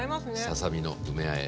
ささ身の梅あえ。